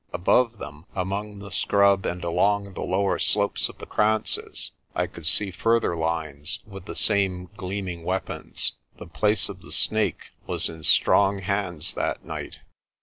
Above them, among the scrub and along the lower slopes of the kranzes, I could see further lines with the same gleaming weapons. The Place of the Snake was in strong hands that night.